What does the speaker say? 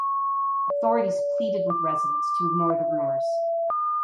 Authorities pleaded with residents to ignore the rumors.